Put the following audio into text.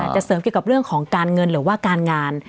จะเสริมเกี่ยวกับเรื่องของการเงินหรือว่าการงาน